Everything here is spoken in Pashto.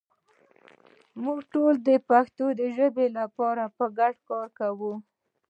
موږ ټول د پښتو ژبې لپاره په ګډه کار کوو.